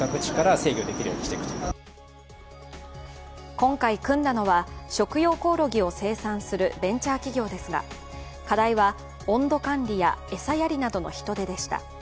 今回、組んだのは食用コオロギを生産するベンチャー企業ですが課題は温度管理や、餌やりなどの人手でした。